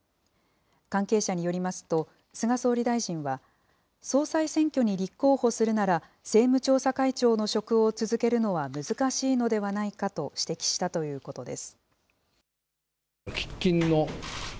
関係者によりますと、菅総理大臣は、総裁選挙に立候補するなら、政務調査会長の職を続けるのは難しいのではないかと指摘したということです。